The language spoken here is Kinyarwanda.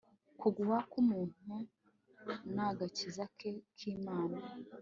Kugwa kumuntu nagakiza keza kImana